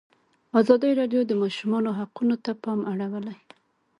ازادي راډیو د د ماشومانو حقونه ته پام اړولی.